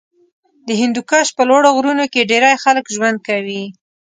د هندوکش په لوړو غرونو کې ډېری خلک ژوند کوي.